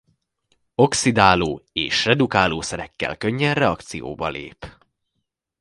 Oxidáló-és redukálószerekkel könnyen reakcióba lép.